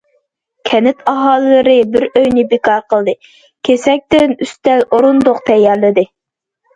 كەنت ئاھالىلىرى بىر ئۆينى بىكار قىلدى، كېسەكتىن ئۈستەل- ئورۇندۇق تەييارلىدى.